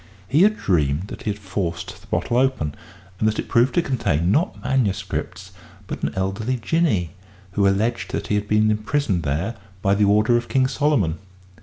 He had dreamed that he had forced the bottle open, and that it proved to contain, not manuscripts, but an elderly Jinnee who alleged that he had been imprisoned there by the order of King Solomon!